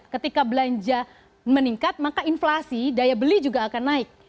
ketika belanja meningkat maka inflasi daya beli juga akan naik